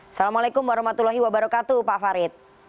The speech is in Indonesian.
assalamualaikum warahmatullahi wabarakatuh pak farid